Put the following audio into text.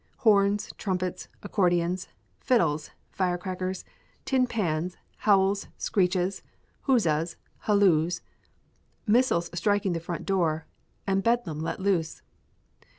Horns, trumpets, accordions, fiddles, fire crackers, tin pans, howls, screeches, huzzas, halloos, missiles striking the front door, and bedlam let loose!